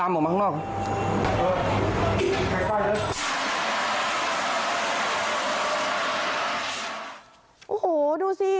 โหดูสิ